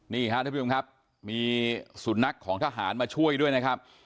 นี่ครับท่านผู้ชมครับมีสุนัขของทหารมาช่วยด้วยนะครับ